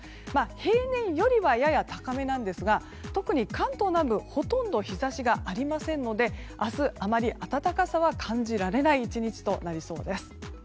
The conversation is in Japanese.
平年よりはやや高めなんですが特に関東南部ほとんど日差しがありませんので明日あまり暖かさは感じられない１日となりそうです。